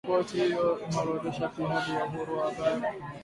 Ripoti hiyo imeorodhesha pia hali ya uhuru wa habari